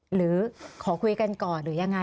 หรือขอคุยกันก่อนหรือยังไง